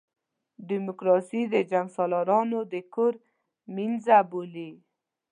ډیموکراسي د جنګسالارانو د کور مېنځه بولي.